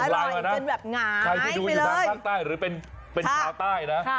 ใครที่ดูฝากใต้หรือเป็นชาวใต้นะ